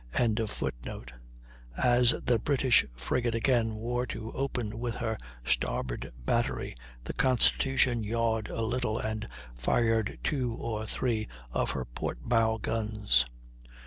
] As the British frigate again wore to open with her starboard battery, the Constitution yawed a little and fired two or three of her port bow guns.